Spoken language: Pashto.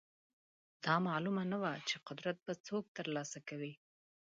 دا معلومه نه وه چې قدرت به څوک ترلاسه کوي.